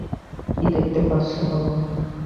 কী দেখতে পাচ্ছ বলো।